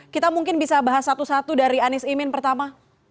kita mungkin bisa bahas satu satu dari anies imin pertama